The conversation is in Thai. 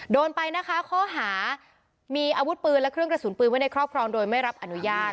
โดนไปนะคะข้อหามีอาวุธปืนและเครื่องกระสุนปืนไว้ในครอบครองโดยไม่รับอนุญาต